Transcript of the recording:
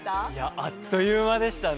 あっという間でしたね。